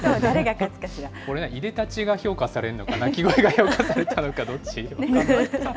これはいでたちが評価されるのか、鳴き声が評価されたのか、どっち？